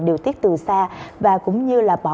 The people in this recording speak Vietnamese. điều tiết từ xa và cũng như là bỏ